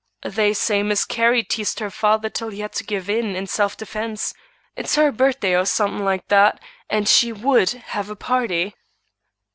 "They say Miss Carrie teased her father till he had to give in in self defence. It's her birthday or something like that, and she would have a party."